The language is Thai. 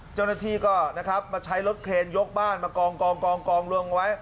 เจ้าหน้าที่ก็นะครับมาใช้รถเครนยกบ้านมากองรวมไว้